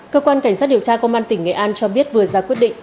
cơ quan cảnh sát điều tra công an tỉnh nghệ an cho biết vừa ra quyết định